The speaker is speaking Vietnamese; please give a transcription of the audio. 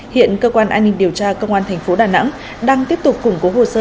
hiện cơ quan an ninh điều tra công an tp đà nẵng đang tiếp tục củng cố hồ sơ